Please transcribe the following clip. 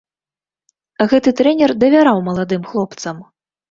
Гэты трэнер давяраў маладым хлопцам.